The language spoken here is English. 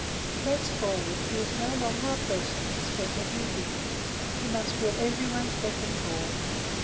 Thenceforward he is no longer a person with a special duty; he must be at every one's beck and call.